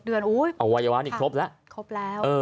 เอาวัยวะนี่ครบแล้ว